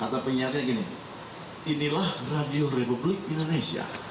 kata penyiarnya gini inilah radio republik indonesia